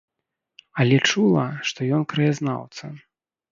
Але чула, што ён краязнаўца.